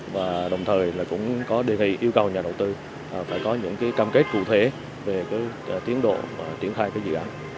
và đồng thời là cũng có đề nghị yêu cầu nhà đầu tư phải có những cái cam kết cụ thể về cái tiến độ và tiến thai cái dự án